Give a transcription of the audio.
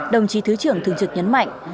đồng chí thứ trưởng thường trực nhấn mạnh